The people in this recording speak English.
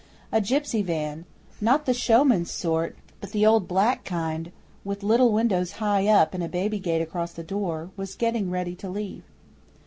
A gipsy van not the show man's sort, but the old black kind, with little windows high up and a baby gate across the door was getting ready to leave.